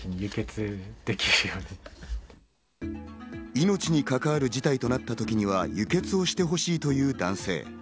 命に関わる事態となった時には輸血をしてほしいという男性。